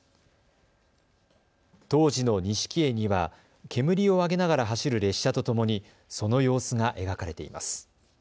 当時の錦絵には、煙を上げながら走る列車とともにその様子が描かれています。